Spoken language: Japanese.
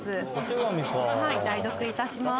はい代読いたします。